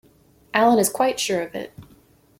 Allan is quite sure of it.